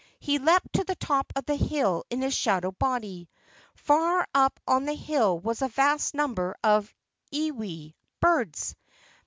He leaped to the top of the hill in his shadow body. Far up on the hill was a vast number of iiwi (birds).